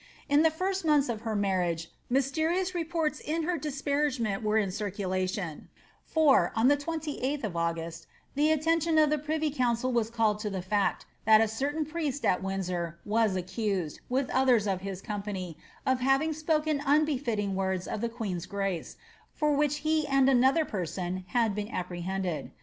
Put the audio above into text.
In the first months of her marriage mysterious reports in her disparagement were in circulation, for, on the 28th of August, the attention of the privy council was called to the fact, that a certain priest at Windsor was accused, with others of his company, of having spoken unbefitting words of the queen's grace, for which he and another person had been appre hended.